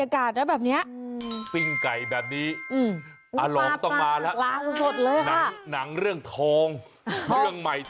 เข้าแล้วฟิ่งไก่ย่างไก่กันแถวนี้